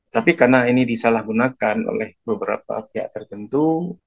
tapi karena ini disalahgunakan oleh beberapa pihak tertentu